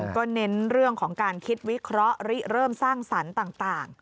ก็เน้นเรื่องของการคิดวิเคราะห์ริเริ่มสร้างสรรค์ต่าง